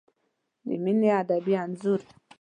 د مینې ادبي انځور